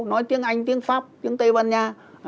nói tiếng anh tiếng pháp tiếng tây ban nha